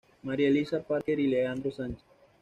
María Elisa Parker y Leandro Sánchez.